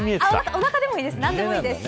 おなかでもいいです。